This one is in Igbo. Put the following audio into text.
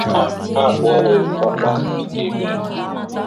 ha abụọ wee kwòkọọ mpì ka ebule.